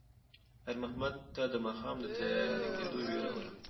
خیر محمد ته د ماښام د تیاره کېدو وېره ورغله.